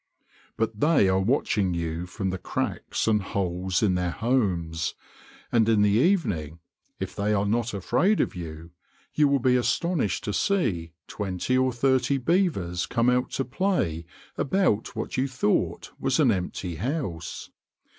But they are watching you from the cracks and holes in their homes, and in the evening, if they are not afraid of you, you will be astonished to see twenty or thirty beavers come out to play about what you thought was an empty house.